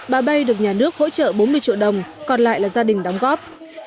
bà bay được nhà nước hỗ trợ bốn mươi triệu đồng còn lại là gia đình đóng góp